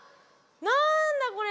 なんだこれ。